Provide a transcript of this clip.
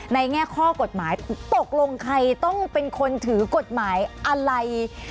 แง่ข้อกฎหมายตกลงใครต้องเป็นคนถือกฎหมายอะไร